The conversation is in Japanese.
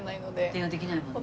電話できないもんね。